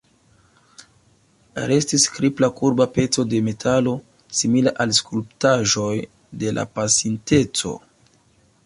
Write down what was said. Restis kripla kurba peco de metalo, simila al skulptaĵoj de la pasinteco.